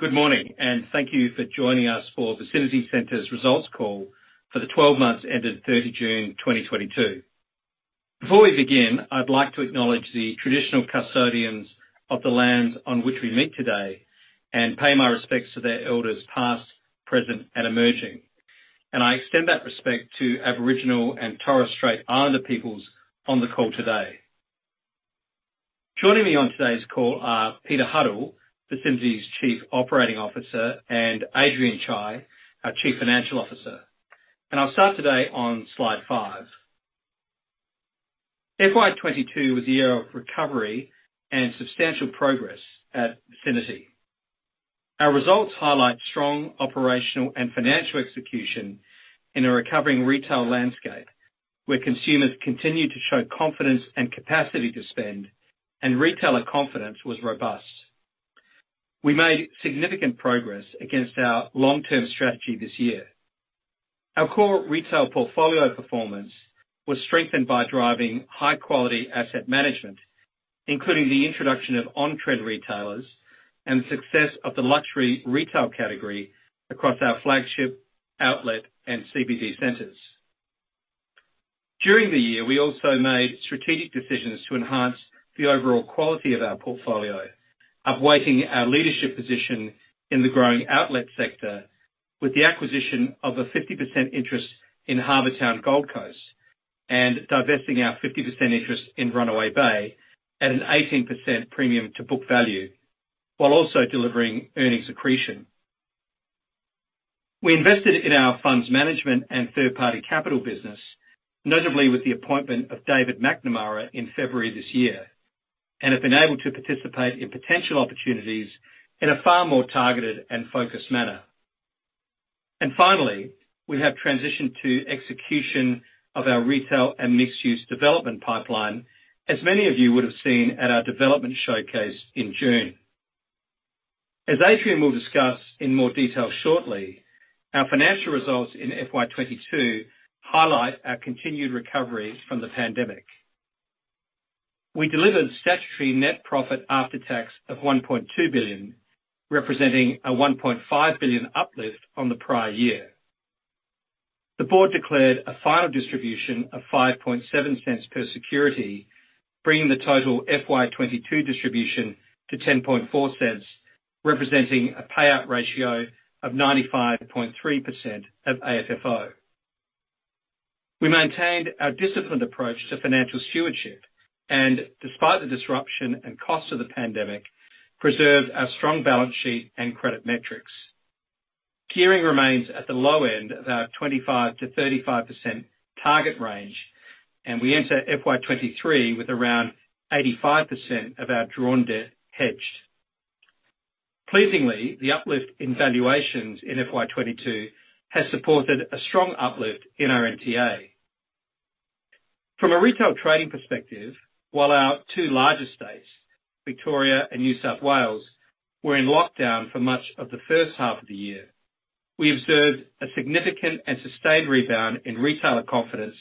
Good morning, and thank you for joining us for Vicinity Centres' results call for the 12 months ended 30 June 2022. Before we begin, I'd like to acknowledge the traditional custodians of the lands on which we meet today and pay my respects to their elders past, present, and emerging. I extend that respect to Aboriginal and Torres Strait Islander peoples on the call today. Joining me on today's call are Peter Huddle, Vicinity Centres' Chief Operating Officer, and Adrian Chye, our Chief Financial Officer. I'll start today on slide 5. FY 2022 was a year of recovery and substantial progress at Vicinity Centres. Our results highlight strong operational and financial execution in a recovering retail landscape, where consumers continue to show confidence and capacity to spend, and retailer confidence was robust. We made significant progress against our long-term strategy this year. Our core retail portfolio performance was strengthened by driving high-quality asset management, including the introduction of on-trend retailers and the success of the luxury retail category across our flagship outlet and CBD centers. During the year, we also made strategic decisions to enhance the overall quality of our portfolio, attaining our leadership position in the growing outlet sector with the acquisition of a 50% interest in Harbour Town Gold Coast and divesting our 50% interest in Runaway Bay at an 18% premium to book value while also delivering earnings accretion. We invested in our funds management and third-party capital business, notably with the appointment of David McNamara in February this year, and have been able to participate in potential opportunities in a far more targeted and focused manner. Finally, we have transitioned to execution of our retail and mixed-use development pipeline, as many of you would have seen at our development showcase in June. As Adrian will discuss in more detail shortly, our financial results in FY 2022 highlight our continued recovery from the pandemic. We delivered statutory net profit after tax of 1.2 billion, representing a 1.5 billion uplift from the prior year. The board declared a final distribution of 0.057 per security, bringing the total FY 2022 distribution to 0.104, representing a payout ratio of 95.3% of AFFO. We maintained our disciplined approach to financial stewardship and, despite the disruption and cost of the pandemic, preserved our strong balance sheet and credit metrics. Gearing remains at the low end of our 25%-35% target range, and we enter FY 2023 with around 85% of our drawn debt hedged. Pleasingly, the uplift in valuations in FY 2022 has supported a strong uplift in our NTA. From a retail trading perspective, while our two largest states, Victoria and New South Wales, were in lockdown for much of the H 1 of the year, we observed a significant and sustained rebound in retailer confidence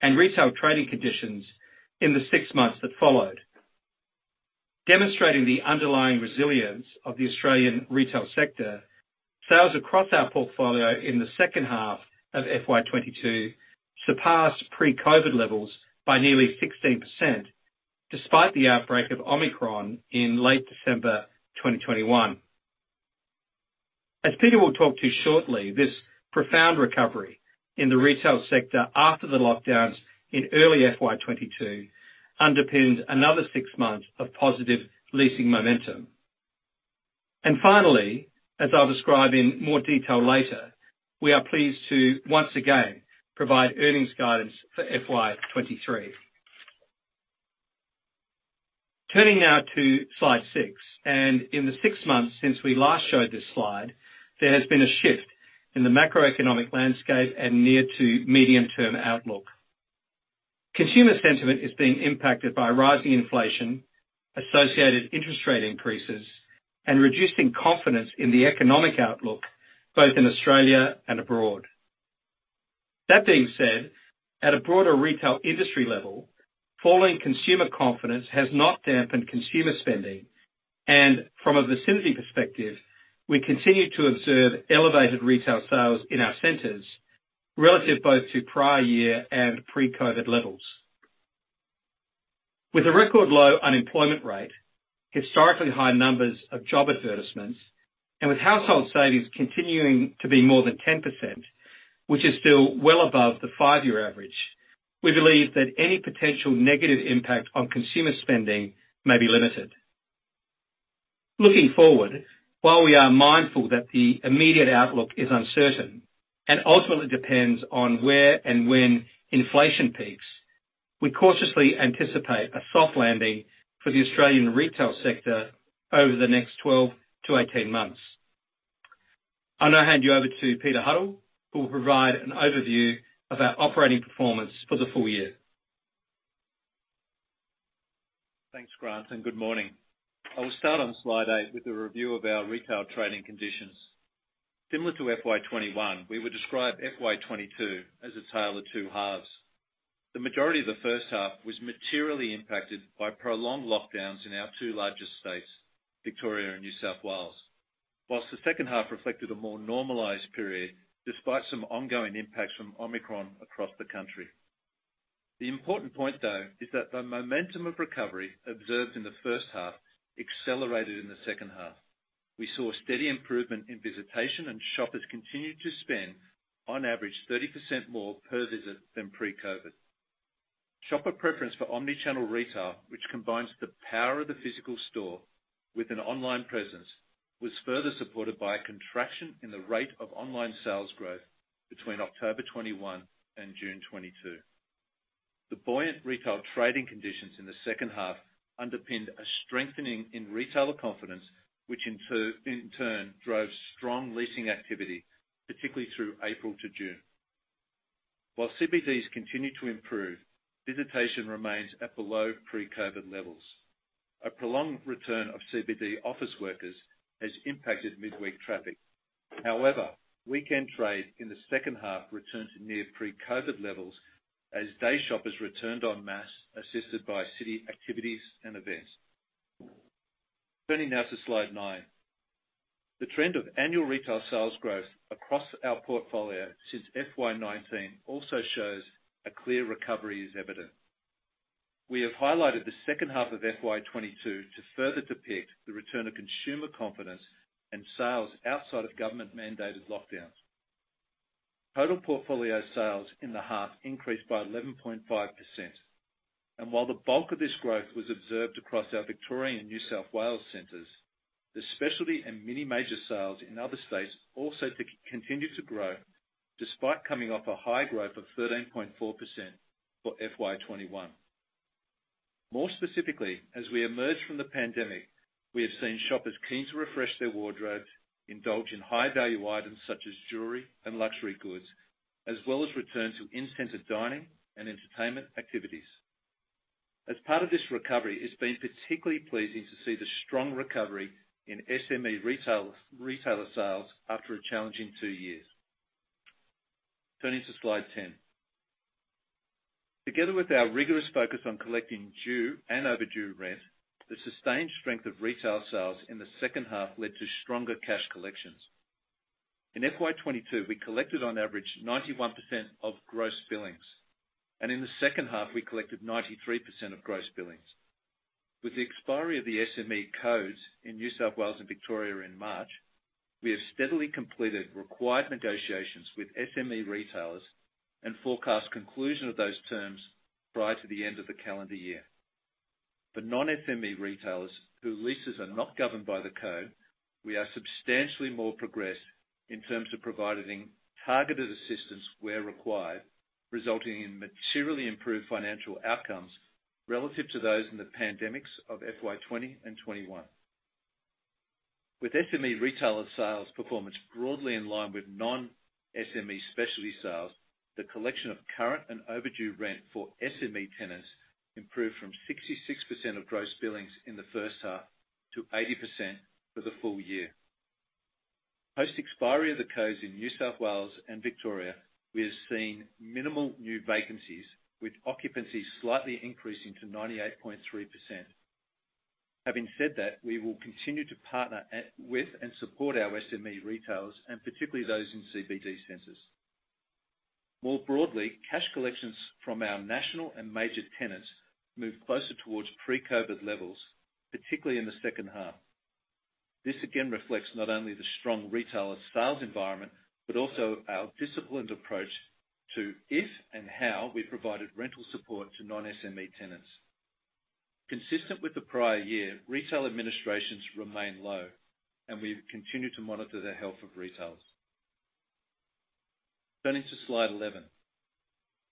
and retail trading conditions in the six months that followed. Demonstrating the underlying resilience of the Australian retail sector, sales across our portfolio in the H2 of FY 2022 surpassed pre-COVID levels by nearly 16% despite the outbreak of Omicron in late December 2021. As Peter will talk to you shortly, this profound recovery in the retail sector after the lockdowns in early FY 2022 underpinned another six months of positive leasing momentum. Finally, as I'll describe in more detail later, we are pleased to once again provide earnings guidance for FY 2023. Turning now to slide 6, in the six months since we last showed this slide, there has been a shift in the macroeconomic landscape and near to medium-term outlook. Consumer sentiment is being impacted by rising inflation, associated interest rate increases, and reducing confidence in the economic outlook, both in Australia and abroad. That being said, at a broader retail industry level, falling consumer confidence has not dampened consumer spending. From a Vicinity perspective, we continue to observe elevated retail sales in our centers relative both to prior year and pre-COVID levels. With a record low unemployment rate, historically high numbers of job advertisements, and with household savings continuing to be more than 10%, which is still well above the five-year average, we believe that any potential negative impact on consumer spending may be limited. Looking forward, while we are mindful that the immediate outlook is uncertain and ultimately depends on where and when inflation peaks, we cautiously anticipate a soft landing for the Australian retail sector over the next 12-18 months. I'll now hand you over to Peter Huddle, who will provide an overview of our operating performance for the full year. Thanks, Grant, and good morning. I will start on slide eight with a review of our retail trading conditions. Similar to FY 2021, we would describe FY 2022 as a tale of two halves. The majority of the H 1 was materially impacted by prolonged lockdowns in our two largest states, Victoria and New South Wales. While the H2 reflected a more normalized period despite some ongoing impacts from Omicron across the country. The important point though is that the momentum of recovery observed in the H 1 accelerated in the H2. We saw a steady improvement in visitation, and shoppers continued to spend on average 30% more per visit than pre-COVID. Shopper preference for omni-channel retail, which combines the power of the physical store with an online presence, was further supported by a contraction in the rate of online sales growth between October 2021 and June 2022. The buoyant retail trading conditions in the H2 underpinned a strengthening in retailer confidence, which in turn drove strong leasing activity, particularly through April to June. While CBDs continue to improve, visitation remains below pre-COVID levels. A prolonged return of CBD office workers has impacted midweek traffic. However, weekend trade in the H2 returned to near pre-COVID levels as day shoppers returned en masse, assisted by city activities and events. Turning now to slide 9. The trend of annual retail sales growth across our portfolio since FY 2019 also shows a clear recovery is evident. We have highlighted the H2 of FY 2022 to further depict the return of consumer confidence and sales outside of government-mandated lockdowns. Total portfolio sales in the half increased by 11.5%. While the bulk of this growth was observed across our Victoria and New South Wales centers, the specialty and mini major sales in other states also continue to grow despite coming off a high growth of 13.4% for FY 2021. More specifically, as we emerge from the pandemic, we have seen shoppers keen to refresh their wardrobes, indulge in high-value items such as jewelry and luxury goods, as well as return to in-center dining and entertainment activities. As part of this recovery, it's been particularly pleasing to see the strong recovery in SME retailer sales after a challenging two years. Turning to slide 10. Together with our rigorous focus on collecting due and overdue rent, the sustained strength of retail sales in the H2 led to stronger cash collections. In FY 2022, we collected on average 91% of gross billings, and in the H2, we collected 93% of gross billings. With the expiry of the SME codes in New South Wales and Victoria in March, we have steadily completed required negotiations with SME retailers and forecast conclusion of those terms prior to the end of the calendar year. For non-SME retailers whose leases are not governed by the code, we are substantially more progressed in terms of providing targeted assistance where required, resulting in materially improved financial outcomes relative to those in the pandemics of FY 2020 and 2021. With SME retailer sales performance broadly in line with non-SME specialty sales, the collection of current and overdue rent for SME tenants improved from 66% of gross billings in the H 1 to 80% for the full year. Post expiry of the codes in New South Wales and Victoria, we have seen minimal new vacancies, with occupancy slightly increasing to 98.3%. Having said that, we will continue to partner with and support our SME retailers, and particularly those in CBD centers. More broadly, cash collections from our national and major tenants moved closer towards pre-COVID levels, particularly in the H2. This again reflects not only the strong retailer sales environment, but also our disciplined approach to if and how we provided rental support to non-SME tenants. Consistent with the prior year, retail administrations remain low, and we've continued to monitor the health of retailers. Turning to slide 11.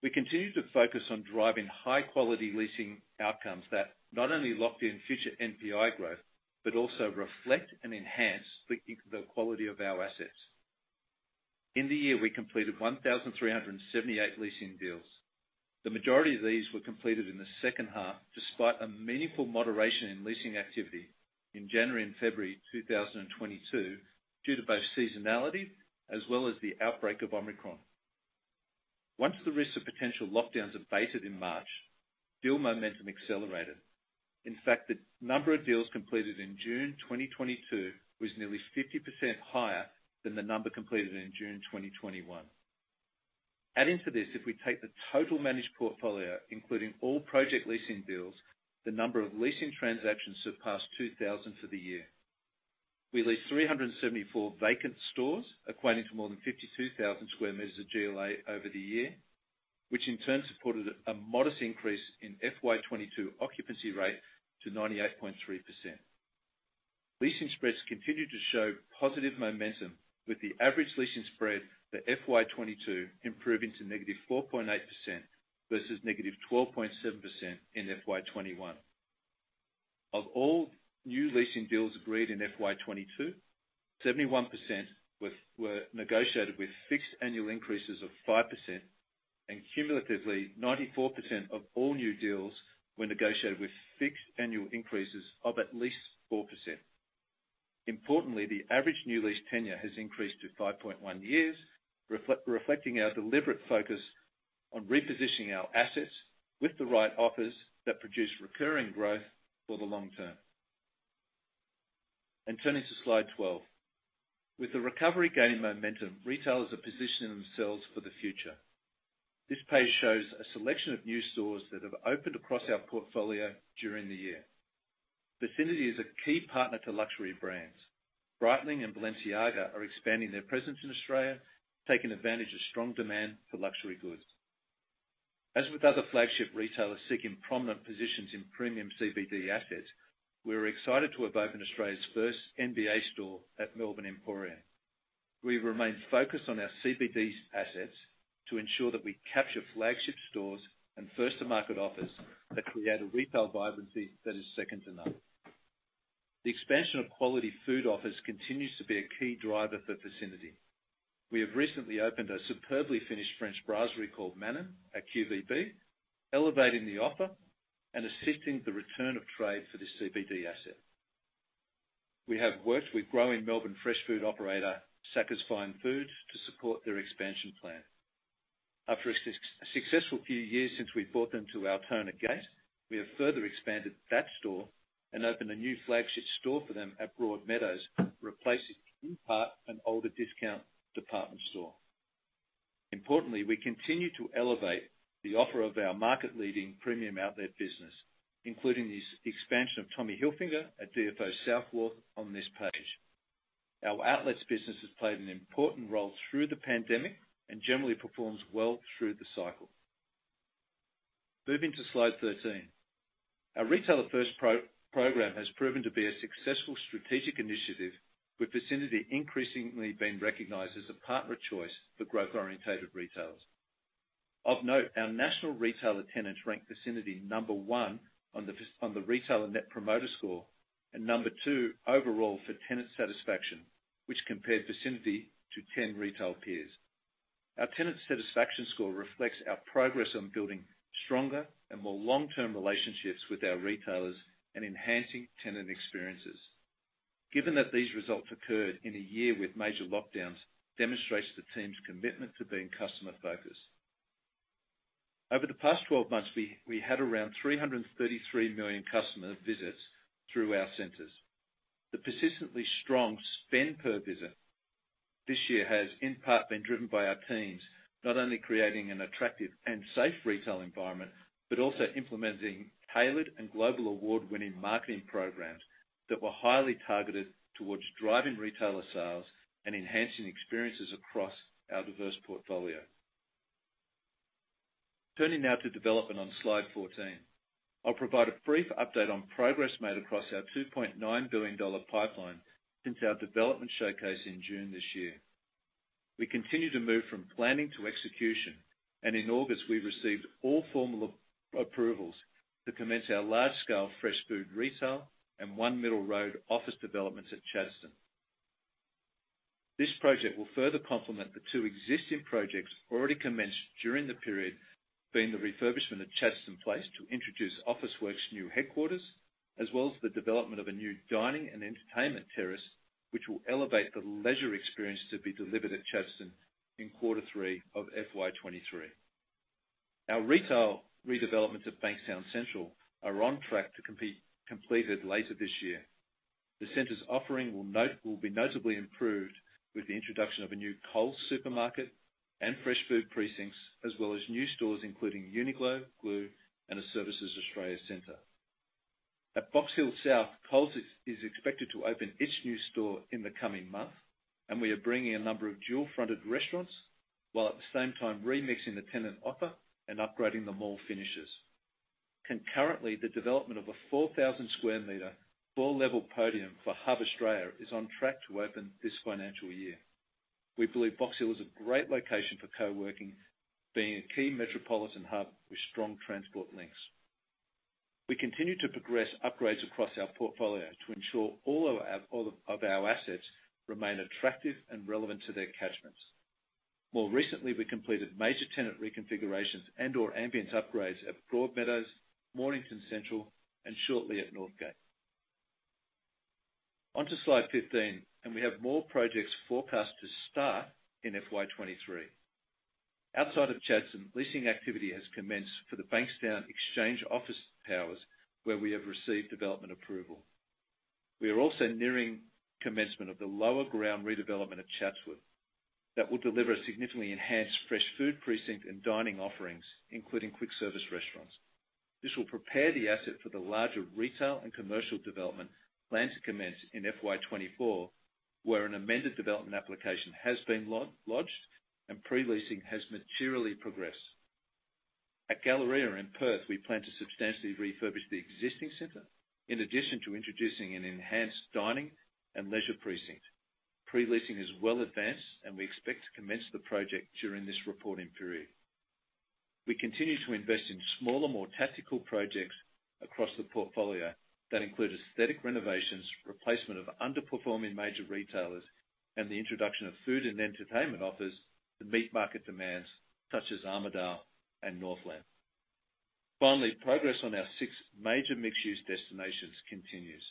We continue to focus on driving high-quality leasing outcomes that not only lock in future NPI growth, but also reflect and enhance the quality of our assets. In the year, we completed 1,378 leasing deals. The majority of these were completed in the H2, despite a meaningful moderation in leasing activity in January and February 2022 due to both seasonality as well as the outbreak of Omicron. Once the risk of potential lockdowns abated in March, deal momentum accelerated. In fact, the number of deals completed in June 2022 was nearly 50% higher than the number completed in June 2021. Adding to this, if we take the total managed portfolio, including all project leasing deals, the number of leasing transactions surpassed 2,000 for the year. We leased 374 vacant stores, equating to more than 52,000 square meters of GLA over the year, which in turn supported a modest increase in FY 2022 occupancy rate to 98.3%. Leasing spreads continued to show positive momentum with the average leasing spread for FY 2022 improving to -4.8% versus -12.7% in FY 2021. Of all new leasing deals agreed in FY 2022, 71% were negotiated with fixed annual increases of 5%. Cumulatively, 94% of all new deals were negotiated with fixed annual increases of at least 4%. Importantly, the average new lease tenure has increased to 5.1 years, reflecting our deliberate focus on repositioning our assets with the right offers that produce recurring growth for the long term. Turning to slide 12. With the recovery gaining momentum, retailers are positioning themselves for the future. This page shows a selection of new stores that have opened across our portfolio during the year. Vicinity is a key partner to luxury brands. Breitling and Balenciaga are expanding their presence in Australia, taking advantage of strong demand for luxury goods. As with other flagship retailers seeking prominent positions in premium CBD assets, we're excited to have opened Australia's first NBA store at Emporium Melbourne. We've remained focused on our CBD assets to ensure that we capture flagship stores and first-to-market offers that create a retail vibrancy that is second to none. The expansion of quality food offers continues to be a key driver for Vicinity. We have recently opened a superbly finished French brasserie called Manon at QVB, elevating the offer and assisting the return of trade for this CBD asset. We have worked with growing Melbourne fresh food operator, Sacca's Fine Foods, to support their expansion plan. After a successful few years since we brought them to Altona Gate, we have further expanded that store and opened a new flagship store for them at Broadmeadows, replacing in part an older discount department store. Importantly, we continue to elevate the offer of our market-leading premium outlet business, including the expansion of Tommy Hilfiger at DFO South Wharf on this page. Our outlets business has played an important role through the pandemic and generally performs well through the cycle. Moving to slide 13. Our Retailer First program has proven to be a successful strategic initiative, with Vicinity increasingly being recognized as a partner of choice for growth-oriented retailers. Of note, our national retailer tenants ranked Vicinity number one on the retailer net promoter score, and number two overall for tenant satisfaction, which compared Vicinity to 10 retail peers. Our tenant satisfaction score reflects our progress on building stronger and more long-term relationships with our retailers and enhancing tenant experiences. Given that these results occurred in a year with major lockdowns, demonstrates the team's commitment to being customer-focused. Over the past twelve months, we had around 333 million customer visits through our centers. The persistently strong spend per visit this year has in part been driven by our teams, not only creating an attractive and safe retail environment, but also implementing tailored and global award-winning marketing programs that were highly targeted towards driving retailer sales and enhancing experiences across our diverse portfolio. Turning now to development on slide 14. I'll provide a brief update on progress made across our 2.9 billion dollar pipeline since our development showcase in June this year. We continue to move from planning to execution, and in August, we received all formal approvals to commence our large-scale fresh food retail and One Middle Road office developments at Chadstone. This project will further complement the two existing projects already commenced during the period, being the refurbishment of Chadstone Place to introduce Officeworks' new headquarters, as well as the development of a new dining and entertainment terrace, which will elevate the leisure experience to be delivered at Chadstone in quarter 3 of FY 2023. Our retail redevelopments at Bankstown Central are on track to be completed later this year. The center's offering will be notably improved with the introduction of a new Coles supermarket and fresh food precincts, as well as new stores including Uniqlo, Glue Store, and a Services Australia center. At Box Hill South, Coles is expected to open its new store in the coming month, and we are bringing a number of dual-fronted restaurants, while at the same time remixing the tenant offer and upgrading the mall finishes. Concurrently, the development of a 4,000 square meter four-level podium for Hub Australia is on track to open this financial year. We believe Box Hill is a great location for co-working, being a key metropolitan hub with strong transport links. We continue to progress upgrades across our portfolio to ensure all our assets remain attractive and relevant to their catchments. More recently, we completed major tenant reconfigurations and/or ambience upgrades at Broadmeadows, Mornington Central, and shortly at Northgate. Onto slide 15. We have more projects forecast to start in FY 2023. Outside of Chadstone, leasing activity has commenced for the Bankstown Exchange office towers, where we have received development approval. We are also nearing commencement of the lower ground redevelopment at Chatswood that will deliver a significantly enhanced fresh food precinct and dining offerings, including quick-service restaurants. This will prepare the asset for the larger retail and commercial development planned to commence in FY 2024, where an amended development application has been lodged and pre-leasing has materially progressed. At Galleria in Perth, we plan to substantially refurbish the existing center in addition to introducing an enhanced dining and leisure precinct. Pre-leasing is well advanced, and we expect to commence the project during this reporting period. We continue to invest in smaller, more tactical projects across the portfolio that include aesthetic renovations, replacement of underperforming major retailers and the introduction of food and entertainment offers to meet market demands, such as Armadale and Northland. Finally, progress on our six major mixed-use destinations continues.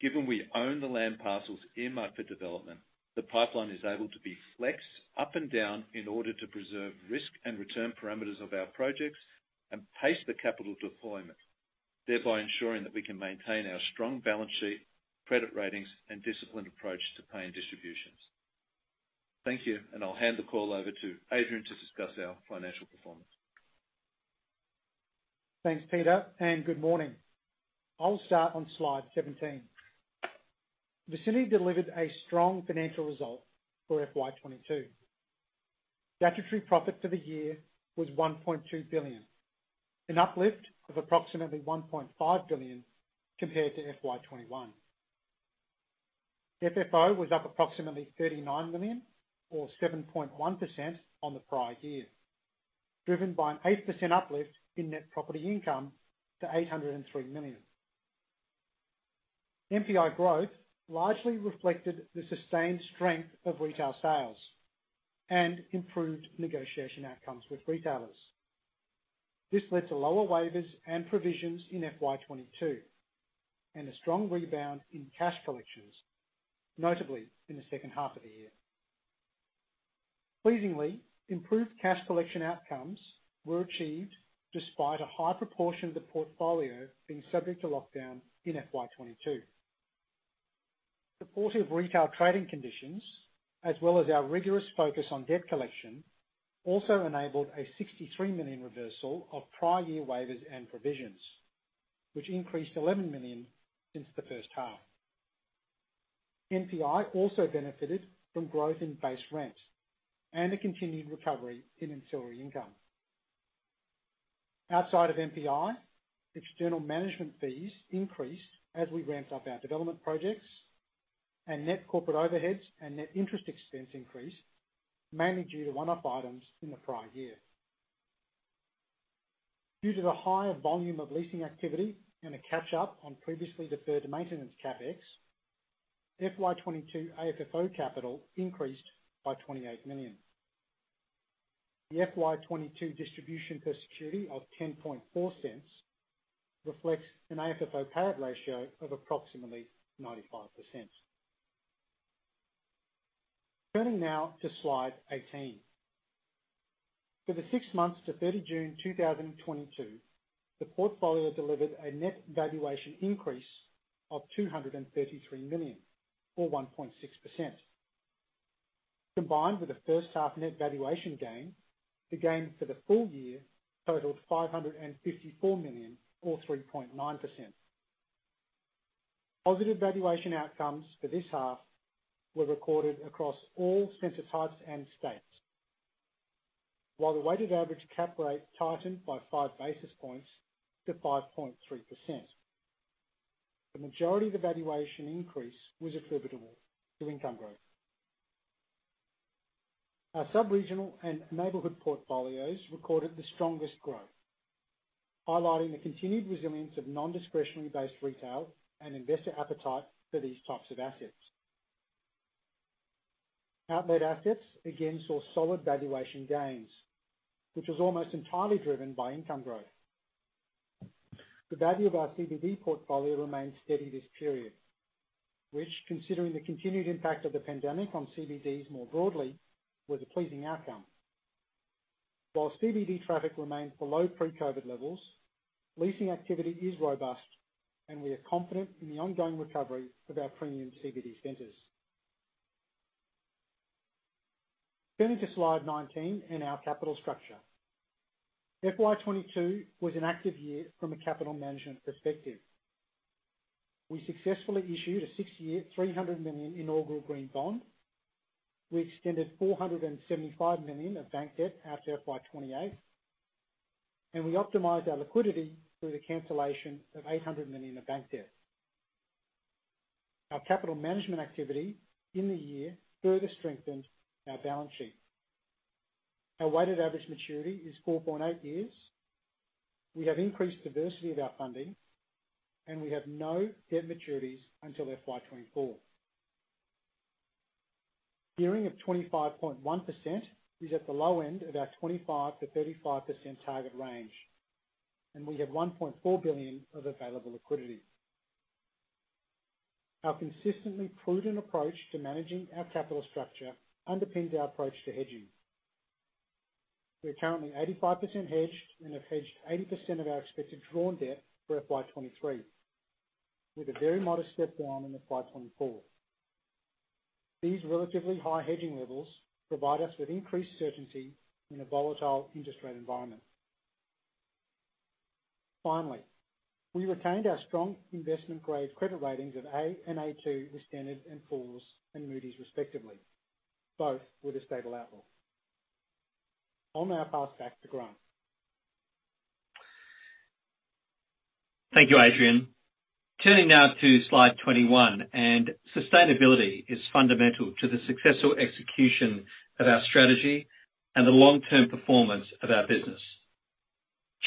Given we own the land parcels in market development, the pipeline is able to be flexed up and down in order to preserve risk and return parameters of our projects and pace the capital deployment, thereby ensuring that we can maintain our strong balance sheet, credit ratings, and disciplined approach to paying distributions. Thank you, and I'll hand the call over to Adrian to discuss our financial performance. Thanks, Peter, and good morning. I'll start on slide 17. Vicinity delivered a strong financial result for FY 2022. Statutory profit for the year was 1.2 billion, an uplift of approximately 1.5 billion compared to FY 2021. FFO was up approximately 39 million or 7.1% on the prior year, driven by an 8% uplift in net property income to 803 million. NPI growth largely reflected the sustained strength of retail sales and improved negotiation outcomes with retailers. This led to lower waivers and provisions in FY 2022 and a strong rebound in cash collections, notably in the H2 of the year. Pleasingly, improved cash collection outcomes were achieved despite a high proportion of the portfolio being subject to lockdown in FY 2022. Supportive retail trading conditions, as well as our rigorous focus on debt collection, also enabled a 63 million reversal of prior year waivers and provisions, which increased 11 million since the H 1. NPI also benefited from growth in base rent and a continued recovery in ancillary income. Outside of NPI, external management fees increased as we ramped up our development projects, and net corporate overheads and net interest expense increased, mainly due to one-off items in the prior year. Due to the higher volume of leasing activity and a catch-up on previously deferred maintenance CapEx, FY 2022 AFFO capital increased by 28 million. The FY 2022 distribution per security of 0.104 reflects an AFFO payout ratio of approximately 95%. Turning now to slide 18. For the six months to 30 June 2022, the portfolio delivered a net valuation increase of 233 million or 1.6%. Combined with the H 1 net valuation gain, the gain for the full year totaled 554 million or 3.9%. Positive valuation outcomes for this half were recorded across all center types and states. While the weighted average cap rate tightened by 5 basis points to 5.3%. The majority of the valuation increase was attributable to income growth. Our subregional and neighborhood portfolios recorded the strongest growth, highlighting the continued resilience of non-discretionary based retail and investor appetite for these types of assets. Outlet assets again saw solid valuation gains, which was almost entirely driven by income growth. The value of our CBD portfolio remained steady this period, which, considering the continued impact of the pandemic on CBDs more broadly, was a pleasing outcome. While CBD traffic remains below pre-COVID levels, leasing activity is robust and we are confident in the ongoing recovery of our premium CBD centers. Turning to slide 19 and our capital structure. FY 2022 was an active year from a capital management perspective. We successfully issued a 6-year, 300 million inaugural green bond. We extended 475 million of bank debt out to FY 2028, and we optimized our liquidity through the cancellation of 800 million of bank debt. Our capital management activity in the year further strengthened our balance sheet. Our weighted average maturity is 4.8 years. We have increased diversity of our funding, and we have no debt maturities until FY 2024. Gearing of 25.1% is at the low end of our 25%-35% target range, and we have 1.4 billion of available liquidity. Our consistently prudent approach to managing our capital structure underpins our approach to hedging. We are currently 85% hedged and have hedged 80% of our expected drawn debt for FY 2023, with a very modest step down in FY 2024. These relatively high hedging levels provide us with increased certainty in a volatile interest rate environment. Finally, we retained our strong investment-grade credit ratings of A and A2 with Standard & Poor's and Moody's respectively, both with a stable outlook. I'll now pass back to Grant. Thank you, Adrian. Turning now to slide 21. Sustainability is fundamental to the successful execution of our strategy and the long-term performance of our business.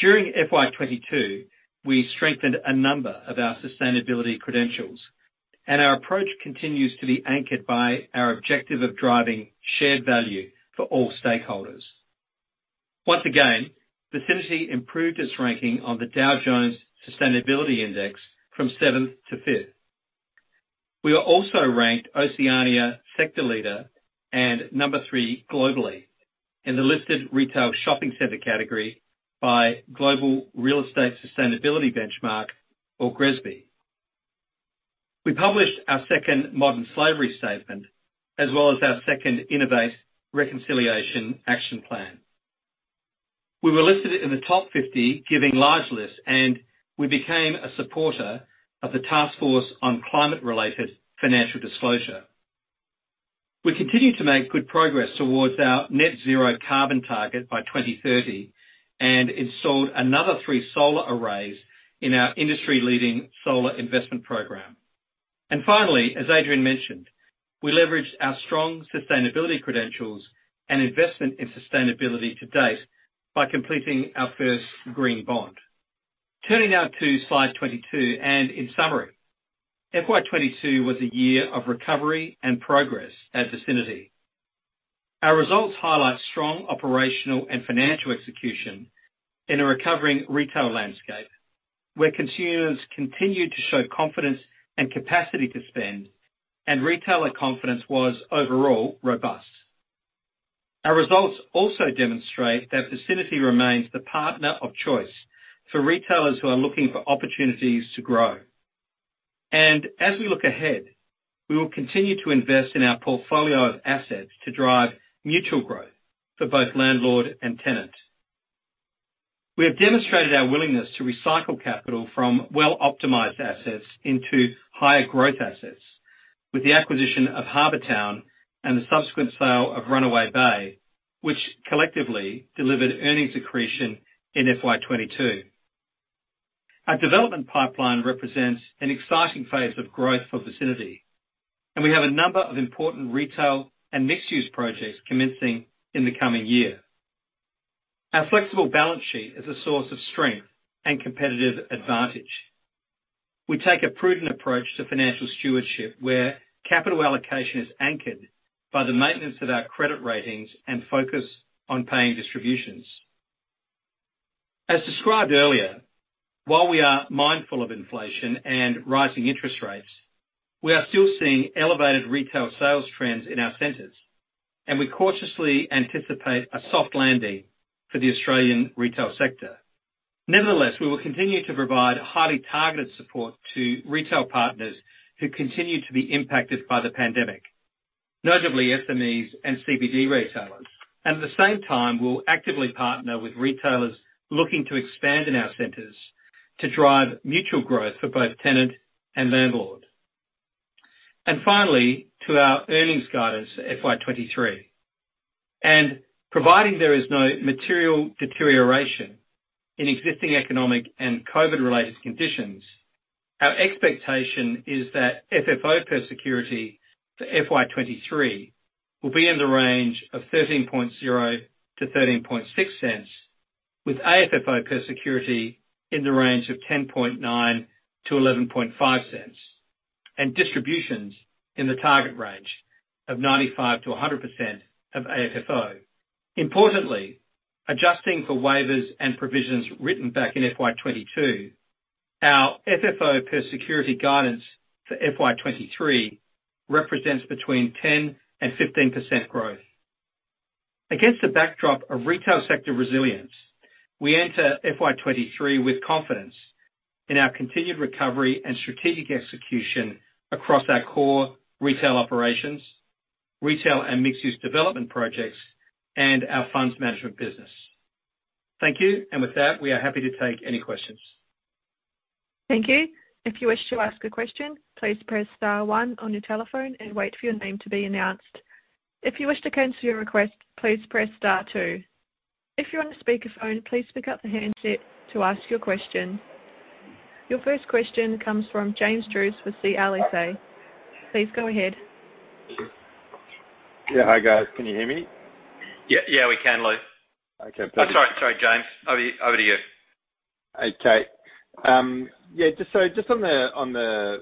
During FY22, we strengthened a number of our sustainability credentials, and our approach continues to be anchored by our objective of driving shared value for all stakeholders. Once again, Vicinity improved its ranking on the Dow Jones Sustainability Index from 7th to 5th. We were also ranked Oceania sector leader and number 3 globally in the listed retail shopping center category by Global Real Estate Sustainability Benchmark or GRESB. We published our second Modern Slavery Statement, as well as our second Innovate Reconciliation Action Plan. We were listed in the top 50 GivingLarge list, and we became a supporter of the Task Force on Climate-related Financial Disclosures. We continue to make good progress towards our net zero carbon target by 2030 and installed another 3 solar arrays in our industry-leading solar investment program. Finally, as Adrian mentioned, we leveraged our strong sustainability credentials and investment in sustainability to date by completing our first green bond. Turning now to slide 22. In summary, FY22 was a year of recovery and progress at Vicinity. Our results highlight strong operational and financial execution in a recovering retail landscape where consumers continued to show confidence and capacity to spend and retailer confidence was overall robust. Our results also demonstrate that Vicinity remains the partner of choice for retailers who are looking for opportunities to grow. As we look ahead, we will continue to invest in our portfolio of assets to drive mutual growth for both landlord and tenant. We have demonstrated our willingness to recycle capital from well-optimized assets into higher growth assets with the acquisition of Harbour Town and the subsequent sale of Runaway Bay, which collectively delivered earnings accretion in FY22. Our development pipeline represents an exciting phase of growth for Vicinity, and we have a number of important retail and mixed-use projects commencing in the coming year. Our flexible balance sheet is a source of strength and competitive advantage. We take a prudent approach to financial stewardship, where capital allocation is anchored by the maintenance of our credit ratings and focus on paying distributions. As described earlier, while we are mindful of inflation and rising interest rates, we are still seeing elevated retail sales trends in our centers, and we cautiously anticipate a soft landing for the Australian retail sector. Nevertheless, we will continue to provide highly targeted support to retail partners who continue to be impacted by the pandemic, notably SMEs and CBD retailers. At the same time, we'll actively partner with retailers looking to expand in our centers to drive mutual growth for both tenant and landlord. Finally, to our earnings guidance FY23. Providing there is no material deterioration in existing economic and COVID-related conditions, our expectation is that FFO per security to FY23 will be in the range of 0.130-0.136, with AFFO per security in the range of 0.109-0.115, and distributions in the target range of 95%-100% of AFFO. Importantly, adjusting for waivers and provisions written back in FY22, our FFO per security guidance for FY23 represents between 10% and 15% growth. Against the backdrop of retail sector resilience, we enter FY23 with confidence in our continued recovery and strategic execution across our core retail operations, retail and mixed-use development projects, and our funds management business. Thank you. With that, we are happy to take any questions. Thank you. If you wish to ask a question, please press star one on your telephone and wait for your name to be announced. If you wish to cancel your request, please press star two. If you're on a speaker phone, please pick up the handset to ask your question. Your first question comes from James Druce with CLSA. Please go ahead. Yeah. Hi, guys. Can you hear me? Yeah, yeah, we can, Lou. Okay. Sorry, James. Over to you. Okay. Yeah, just on the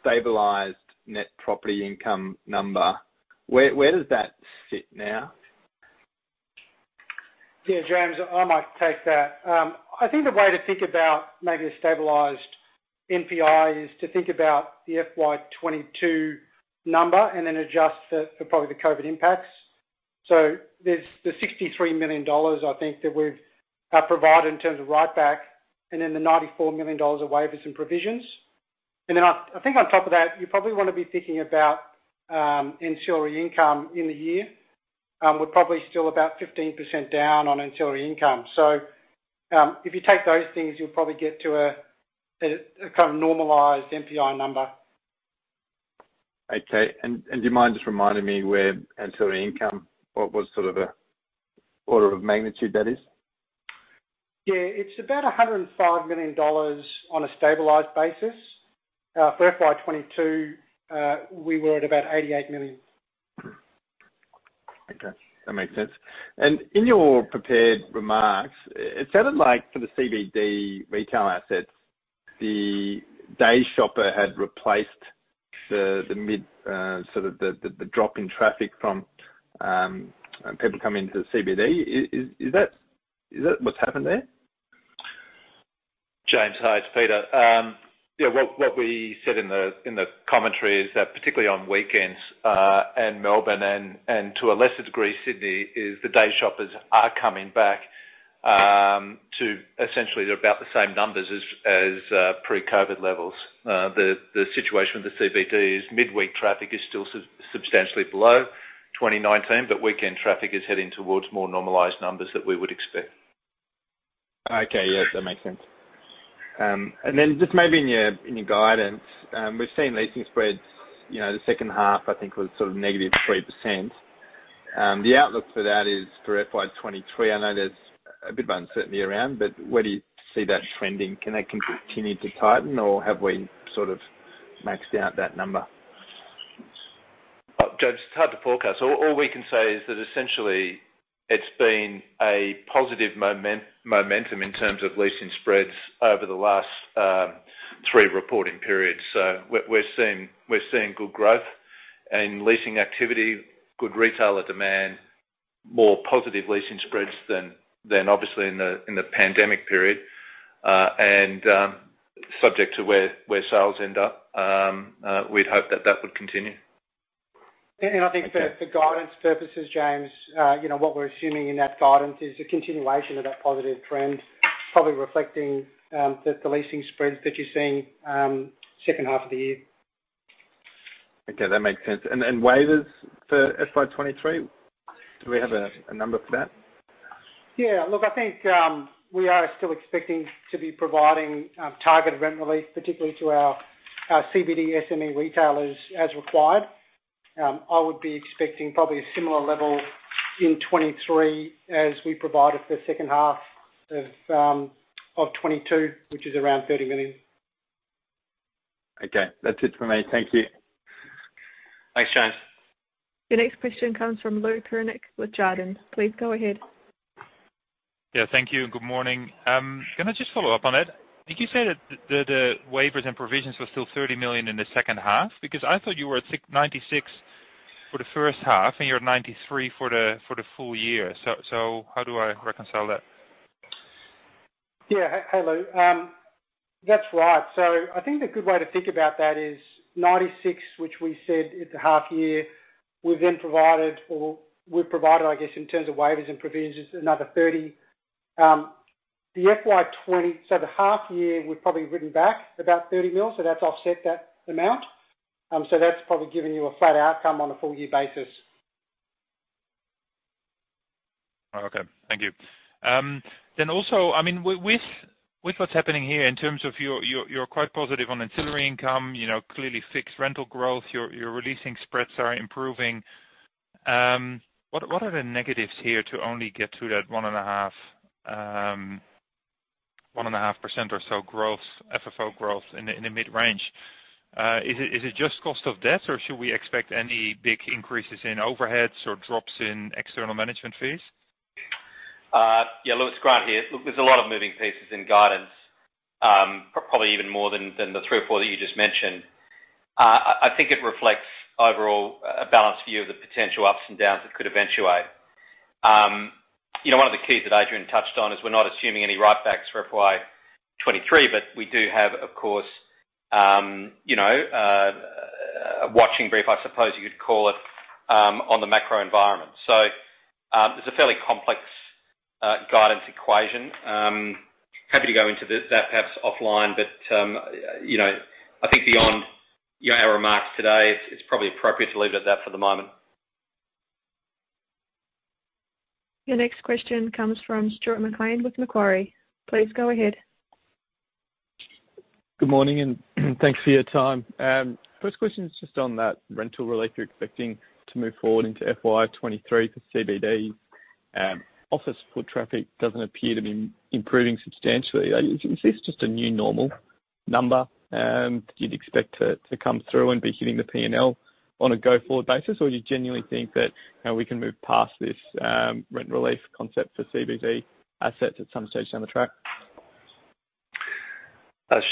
stabilized net property income number, where does that sit now? Yeah, James, I might take that. I think the way to think about maybe a stabilized NPI is to think about the FY22 number and then adjust for probably the COVID impacts. There's the 63 million dollars I think that we've provided in terms of write back and then the 94 million dollars of waivers and provisions. I think on top of that, you probably wanna be thinking about ancillary income in the year. We're probably still about 15% down on ancillary income. If you take those things, you'll probably get to a kind of normalized NPI number. Okay. Do you mind just reminding me where ancillary income, what was sort of the order of magnitude that is? Yeah. It's about 105 million dollars on a stabilized basis. For FY22, we were at about 88 million. Okay, that makes sense. In your prepared remarks, it sounded like for the CBD retail assets, the day shopper had replaced the sort of drop in traffic from people coming to the CBD. Is that what's happened there? James, hi, it's Peter. What we said in the commentary is that particularly on weekends, and Melbourne and to a lesser degree Sydney, is the day shoppers are coming back to essentially they're about the same numbers as pre-COVID levels. The situation with the CBD is midweek traffic is still substantially below 2019, but weekend traffic is heading towards more normalized numbers that we would expect. Okay. Yeah, that makes sense. Just maybe in your guidance, we've seen leasing spreads the H2, I think, was sort of negative 3%. The outlook for that is for FY 2023. I know there's a bit of uncertainty around, but where do you see that trending? Can that continue to tighten or have we sort of maxed out that number? James, it's hard to forecast. All we can say is that essentially it's been a positive momentum in terms of leasing spreads over the last three reporting periods. We're seeing good growth and leasing activity, good retailer demand, more positive leasing spreads than, obviously, in the pandemic period. Subject to where sales end up, we'd hope that would continue. I think for guidance purposes, james what we're assuming in that guidance is a continuation of that positive trend, probably reflecting the leasing spreads that you're seeing H2 of the year. Okay, that makes sense. Waivers for FY 2023, do we have a number for that? Yeah. Look, I think we are still expecting to be providing targeted rent relief, particularly to our CBD SME retailers as required. I would be expecting probably a similar level in 2023 as we provided for H2 of 2022, which is around 30 million. Okay. That's it for me. Thank you. Thanks, James. Your next question comes from Lou Pirenc with Jarden. Please go ahead. Yeah, thank you. Good morning. Can I just follow up on it? Did you say that the waivers and provisions were still 30 million in the H2? Because I thought you were at 96 million for the H 1, and you're at 93 million for the full year. How do I reconcile that? Yeah. Hey, Lou. That's right. I think a good way to think about that is 96 million, which we said at the half year. We've provided, I guess, in terms of waivers and provisions, another 30 million. The half year, we've probably written back about 30 million, so that's offset that amount. That's probably given you a flat outcome on a full year basis. Okay. Thank you. Also, I mean, with what's happening here in terms of you're quite positive on ancillary income clearly fixed rental growth, your releasing spreads are improving. What are the negatives here to only get to that 1.5% or so growth, FFO growth in the mid-range? Is it just cost of debt, or should we expect any big increases in overheads or drops in external management fees? Yeah, Lou, it's Grant here. Look, there's a lot of moving pieces in guidance, probably even more than the three or four that you just mentioned. I think it reflects overall a balanced view of the potential ups and downs that could eventuate. You know, one of the keys that Adrian touched on is we're not assuming any write-backs for FY 2023, but we do have, of course a watching brief, I suppose you could call it, on the macro environment. There's a fairly complex guidance equation. Happy to go into that perhaps offline, but I think beyond our remarks today, it's probably appropriate to leave it at that for the moment. Your next question comes from Stuart McLean with Macquarie. Please go ahead. Good morning, and thanks for your time. First question is just on that rental relief you're expecting to move forward into FY 23 for CBD. Office foot traffic doesn't appear to be improving substantially. Is this just a new normal number you'd expect to come through and be hitting the P&L on a go-forward basis, or you genuinely think that we can move past this rent relief concept for CBD assets at some stage down the track?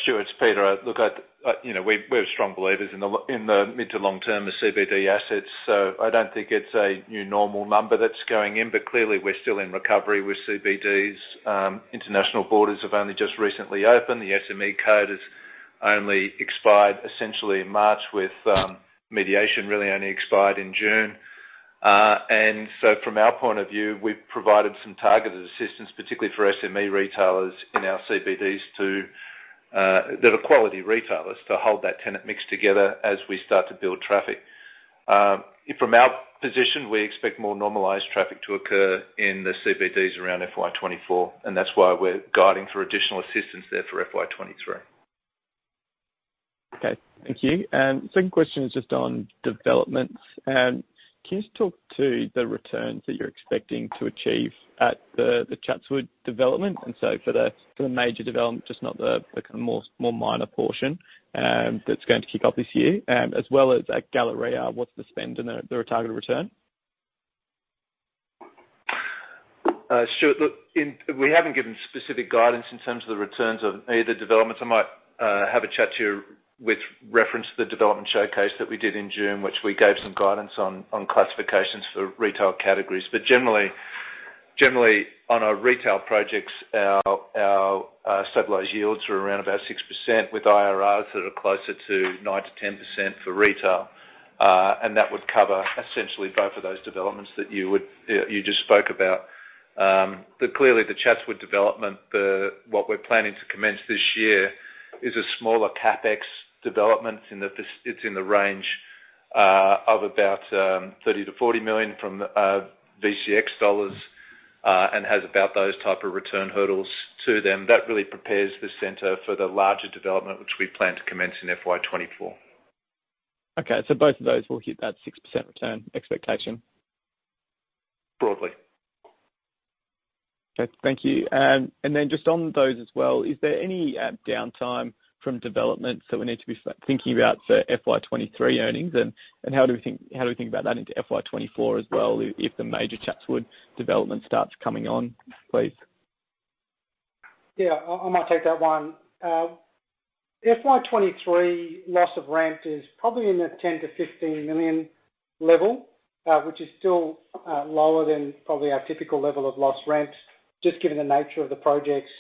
Stuart, it's Peter. look we're strong believers in the mid to long term of CBD assets, so I don't think it's a new normal number that's going in. Clearly we're still in recovery with CBDs. International borders have only just recently opened. The SME code has only expired essentially in March with mediation really only expired in June. From our point of view, we've provided some targeted assistance, particularly for SME retailers in our CBDs that are quality retailers, to hold that tenant mix together as we start to build traffic. From our position, we expect more normalized traffic to occur in the CBDs around FY 2024, and that's why we're guiding for additional assistance there for FY 2023. Okay. Thank you. Second question is just on developments. Can you just talk to the returns that you're expecting to achieve at the Chatswood development, and for the major development, just not the more minor portion that's going to kick off this year, as well as at Galleria, what's the spend and the targeted return? Stuart, look, we haven't given specific guidance in terms of the returns of either developments. I might have a chat to you with reference to the development showcase that we did in June, which we gave some guidance on classifications for retail categories. Generally, on our retail projects, our stabilized yields are around about 6% with IRRs that are closer to 9%-10% for retail. That would cover essentially both of those developments that you just spoke about. Clearly the Chatswood development, what we're planning to commence this year is a smaller CapEx development in that it's in the range of about 30-40 million, and has about those type of return hurdles to them. That really prepares the center for the larger development, which we plan to commence in FY 2024. Both of those will hit that 6% return expectation. Broadly. Okay. Thank you. Just on those as well, is there any downtime from developments that we need to be thinking about for FY 2023 earnings? How do we think about that into FY 2024 as well, if the major Chatswood development starts coming on, please? Yeah. I might take that one. FY 2023 loss of rent is probably in the 10-15 million level, which is still lower than probably our typical level of lost rents, just given the nature of the projects,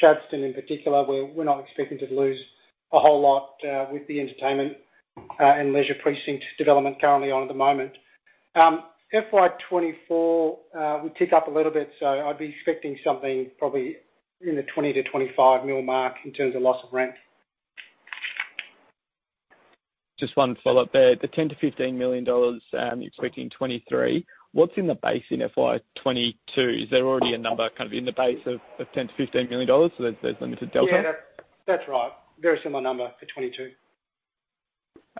Chatswood in particular, we're not expecting to lose a whole lot, with the entertainment and leisure precinct development currently on at the moment. FY 2024 will tick up a little bit, so I'd be expecting something probably in the 20-25 mil mark in terms of loss of rent. Just one follow-up there. The 10 million-15 million dollars you're expecting in 2023, what's in the base in FY 2022? Is there already a number kind of in the base of 10 million-15 million dollars, so there's limited delta? Yeah. That's right. Very similar number for 2022.